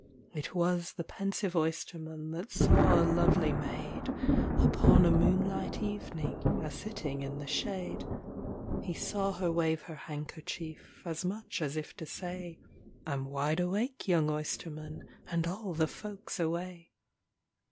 It was the pensive oysterman that saw a lovely maid, Upon a moonlight evening, a sitting in the shade; He saw her wave her handkerchief, as much as if to say, "I 'm wide awake, young oysterman, and all the folks away."